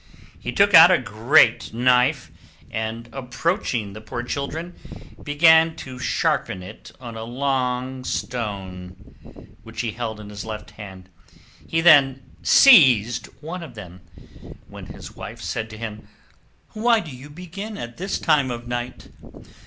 He took out a great knife, and, approaching the poor children, began to sharpen it on a long stone, which he held in his left hand. He then seized one of them, when his wife said to him, "Why do you begin at this time of night?